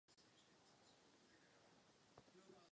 Při poslední střelbě však Davidová nezasáhla předposlední terč.